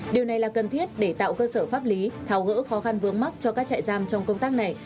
điều này là cần thiết để tạo cơ sở pháp lý tháo gỡ khó khăn vướng mắt cho các trại giam trong công tác này